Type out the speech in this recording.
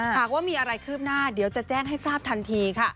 หากว่ามีอะไรคืบหน้าเดี๋ยวจะแจ้งให้ทราบทันทีค่ะ